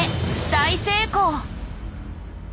大成功！